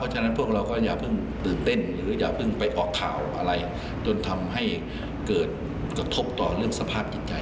จนทำให้เกิดกระทบต่อเรื่องสภาพกิจใจ